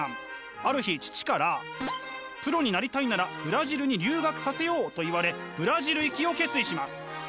ある日父から「プロになりたいならブラジルに留学させよう」と言われブラジル行きを決意します。